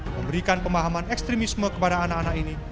memberikan pemahaman ekstremisme kepada anak anak ini